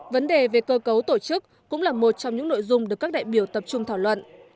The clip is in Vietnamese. vấn đề về cơ cấu tổ chức cũng là một trong những nội dung được các đại biểu tập trung thảo luận